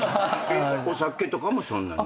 お酒とかもそんなに？